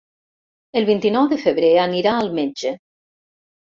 El vint-i-nou de febrer anirà al metge.